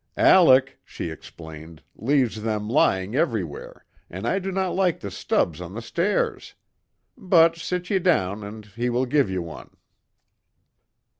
"Alec," she explained, "leaves them lying everywhere, and I do not like the stubs on the stairs. But sit ye down and he will give ye one."